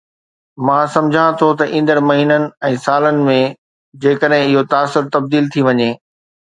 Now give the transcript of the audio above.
مان سمجهان ٿو ته ايندڙ مهينن ۽ سالن ۾، جيڪڏهن اهو تاثر تبديل ٿي وڃي.